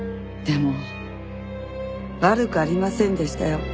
でも悪くありませんでしたよ。